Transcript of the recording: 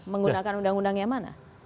menggunakan undang undang yang mana